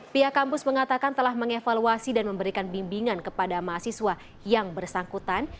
pihak kampus mengatakan telah mengevaluasi dan memberikan bimbingan kepada mahasiswa yang bersangkutan